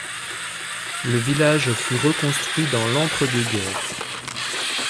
Le village fut reconstruit dans l'entre-deux-guerres.